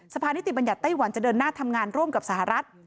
พานิติบัญญัติไต้หวันจะเดินหน้าทำงานร่วมกับสหรัฐ